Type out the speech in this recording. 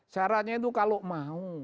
syaratnya itu kalau mau